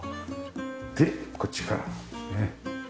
でこっちからねっ。